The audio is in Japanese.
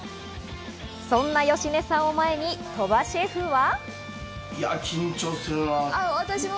そんな芳根さんを前に鳥羽シェフは。